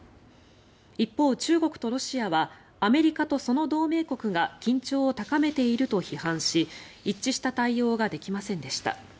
一方、中国とロシアはアメリカとその同盟国が緊張を高めていると批判し一致した対応ができませんでした。